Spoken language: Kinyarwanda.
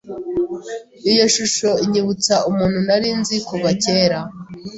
Iyo shusho inyibutsa umuntu nari nzi kuva kera.